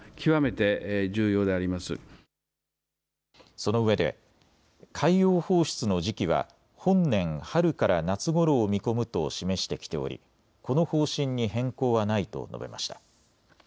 そのうえで海洋放出の時期は本年春から夏ごろを見込むと示してきておりこの方針に変更はないと述べました。